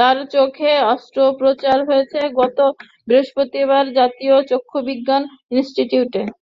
তার চোখে অস্ত্রোপচার হয়েছে গত বৃহস্পতিবার জাতীয় চক্ষুবিজ্ঞান ইনস্টিটিউটে।